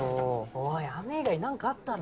おい飴以外何かあったろ。